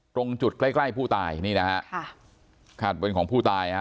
ตรงจุดใกล้ใกล้ผู้ตายนี่นะฮะค่ะคาดเป็นของผู้ตายฮะ